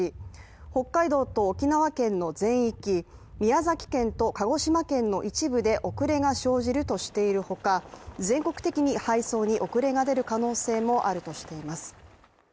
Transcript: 北海道と沖縄県の全域宮崎県と鹿児島県の一部で遅れが生じるとしているほか、全国的に配送に遅れが出る可能性もあるとしています。